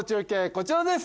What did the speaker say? こちらです